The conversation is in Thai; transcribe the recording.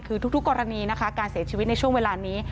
คือทุกกรณีนะคะการเสียชีวิตในช่วงเวลานี้